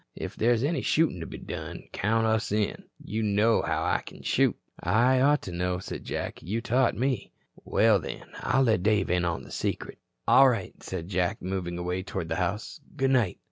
If there's any shootin' to be done, count us in. You know how I kin shoot." "I ought to know," said Jack. "You taught me." "Well, then, I'll let Dave in on the secret." "All right," said Jack, moving away toward the house. "Good night."